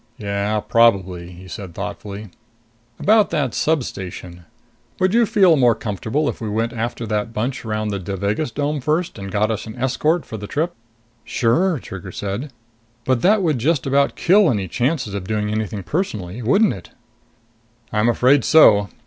"Yeah, probably," he said thoughtfully. "About that substation would you feel more comfortable if we went after the bunch round the Devagas dome first and got us an escort for the trip?" "Sure," Trigger said. "But that would just about kill any chances of doing anything personally, wouldn't it?" "I'm afraid so.